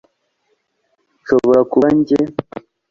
nshobora kuba njye